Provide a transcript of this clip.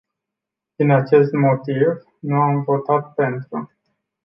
Din acest motiv, nu am votat pentru.